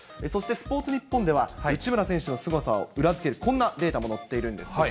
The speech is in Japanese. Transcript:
そしてスポーツニッポンでは、内村選手のすごさを裏付けるこんなデータも載っているんです。